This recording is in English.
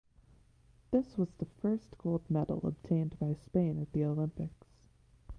This was the first gold medal obtained by Spain at the olympics.